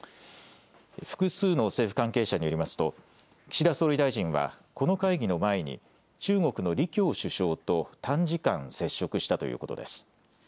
複数の政府関係者によりますと岸田総理大臣はこの会議の前に中国の李強首相と短時間、接触したということです。